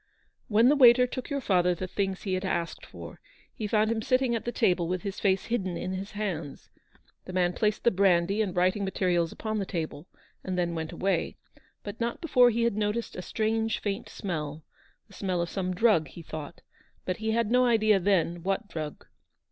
168 " When the waiter took your father the things he had asked for, he found him sitting at the table with his face hidden in his hands. The man placed the brandy and writing materials upon the table, and then went away, but not before he had noticed a strange faint smell — the smell of some drug, he thought ; but he had no idea then what drug.